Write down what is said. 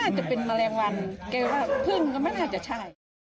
จะเป็นแมลงวันแกว่าพึ่งก็ไม่น่าจะใช่